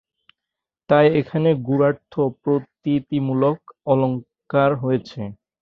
তাই এখানে গূঢ়ার্থপ্রতীতিমূলক অলঙ্কার হয়েছে।